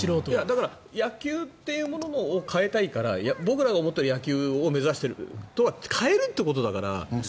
だから野球というものを変えたいから僕らが思っている野球というものを目指してるのとは変えるってことだから。